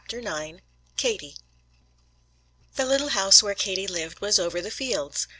IX KATIE The little house where Katie lived was over the fields.